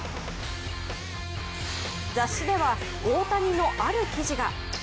雑誌では、大谷のある記事が。